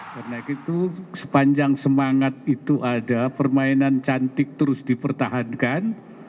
karena gitu sepanjang semangat itu ada permainan cantik terus dipertahankan